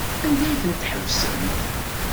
Anda ay ten-tḥesbemt?